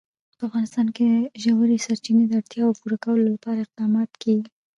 په افغانستان کې د ژورې سرچینې د اړتیاوو پوره کولو لپاره اقدامات کېږي.